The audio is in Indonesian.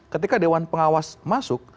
ketika dewan pengawas masuk